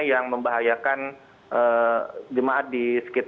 yang membahayakan jemaah di sekeliling